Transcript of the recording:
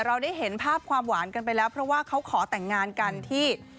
เราได้เห็นภาพความหวานกันไปแล้วเพราะว่าเขาขอแต่งงานกันที่